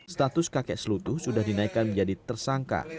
status kakek selutu sudah dinaikkan menjadi tersangka